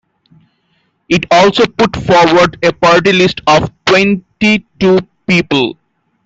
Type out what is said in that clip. It also put forward a party list of twenty-two people.